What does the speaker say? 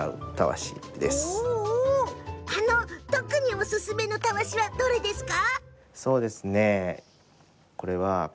おすすめのたわしはどれですか？